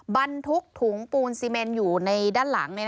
บรรทุกถุงปูนซีเมนอยู่ในด้านหลัง